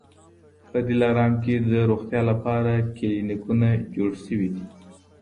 په دلارام کي د روغتیا لپاره کلینیکونه جوړ سوي دي